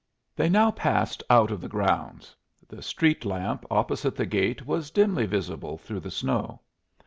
They had now passed out of the grounds; the street lamp opposite the gate was dimly visible through the snow.